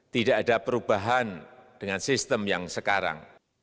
tidak ada perubahan dengan sistem yang sekarang